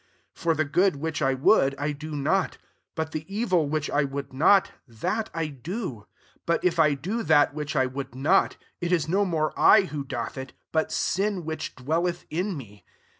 19 For the good which I would, I do not; but the evil which I would not, that I do. 20 But if I do that which I would not, it is no more I who doth it, but sin which dwelleth in me.